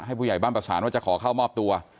ผู้ใหญ่บ้านประสานว่าจะขอเข้ามอบตัว